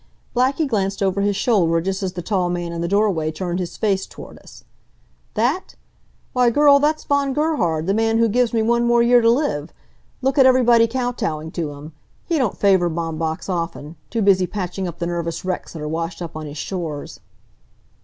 Blackie glanced over his shoulder just as the tall man in the doorway turned his face toward us. "That? Why, girl, that's Von Gerhard, the man who gives me one more year t' live. Look at everybody kowtowing to him. He don't favor Baumbach's often. Too busy patching up the nervous wrecks that are washed up on his shores."